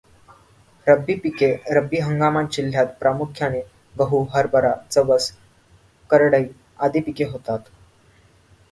रब्बी पिके रब्बी हंगामात जिल्ह्यात प्रामुख्याने गहू, हरभरा, जवस, करडई, आदी पिके होतात.